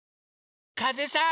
かぜさん！